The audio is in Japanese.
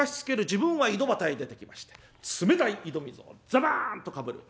自分は井戸端へ出てきまして冷たい井戸水をザブンとかぶる。